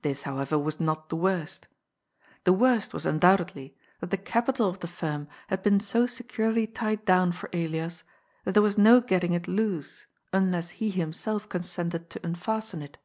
This, however, was not the worst The worst was un doubtedly that the capital of the firm had been so securely tied down for Elias that there was no getting it loose, unless he himself consented to unfasten it.